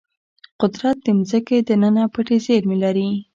قدرت د ځمکې دننه پټې زیرمې لري.